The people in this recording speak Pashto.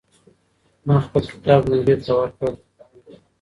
ما خپل کتاب ملګري ته ورکړ.